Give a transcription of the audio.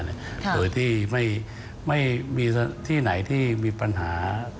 โดยที่ไม่มีที่ไหนที่มีปัญหา